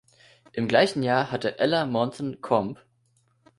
Im gleichen Jahr hatte Eller-Montan-Comp.